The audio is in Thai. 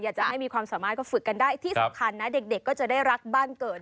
จะให้มีความสามารถก็ฝึกกันได้ที่สำคัญนะเด็กก็จะได้รักบ้านเกิด